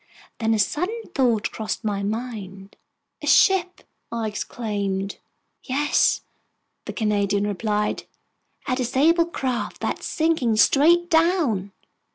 Then a sudden thought crossed my mind. "A ship!" I exclaimed. "Yes," the Canadian replied, "a disabled craft that's sinking straight down!"